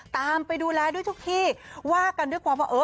ตามไปดูแลด้วยทุกที่